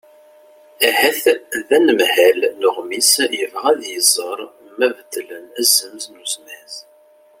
ahat d anemhal n uɣmis yebɣa ad iẓer ma beddlen azemz n uzmaz